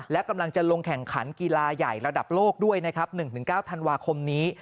และกำลังจะลงแข่งขันกีฬาใหญ่ระดับโลกด้วยนะครับ๑๙ธันวาคมนี้